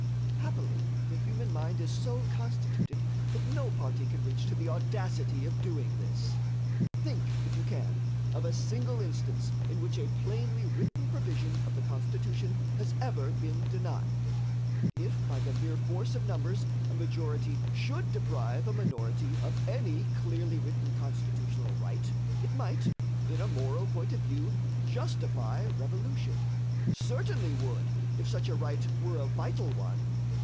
Happily the human mind is so constituted that no party can reach to the audacity of doing this. Think, if you can, of a single instance in which a plainly written provision of the Constitution has ever been denied. If by the mere force of numbers a majority should deprive a minority of any clearly written Constitutional right, it might, in a moral point of view, justify revolution certainly would if such a right were a vital one.